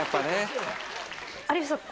有吉さん